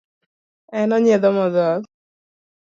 En onyiedho modhoth.